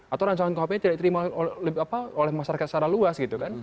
atau rancangan kuhp tidak diterima oleh masyarakat secara luas gitu kan